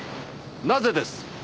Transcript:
なぜです？